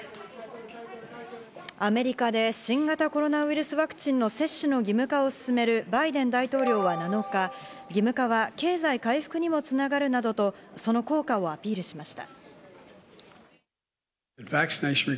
アメリカで新型コロナウイルスワクチンの接種の義務化を進めるバイデン大統領は７日、義務化は経済回復にも繋がるなどと、その効果をアピールしました。